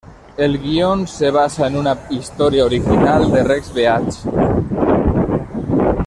El guion se basa en una historia original de Rex Beach.